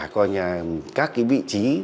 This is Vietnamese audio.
các cái vị trí